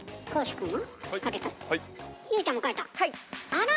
あら！